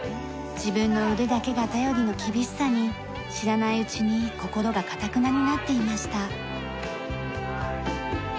自分の腕だけが頼りの厳しさに知らないうちに心がかたくなになっていました。